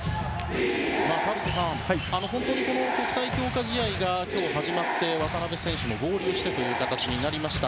田臥さん、国際強化試合が今日始まって渡邊選手も合流してという形になりました。